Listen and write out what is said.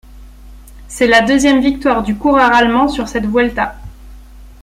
C'est la deuxième victoire du coureur allemand sur cette Vuelta.